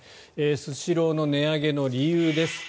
スシローの値上げの理由です。